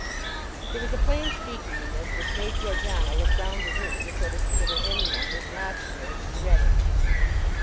There was a plain speaking in this which made Georgiana look round the room as though to see whether any one was watching her as she read it.